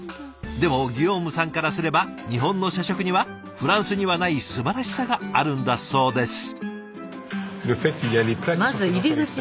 でもギヨームさんからすれば日本の社食にはフランスにはないすばらしさがあるんだそうです。